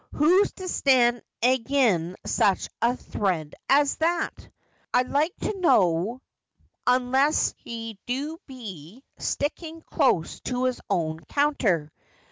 Who's to stand agen such a thrade as that, I'd loike to know, unless he do be sticking close to his own counter